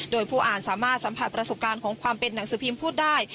โดยผู้อ่านสามารถสัมผัสประสบการณ์ของความเป็นหนังสือพิมพ์พูดได้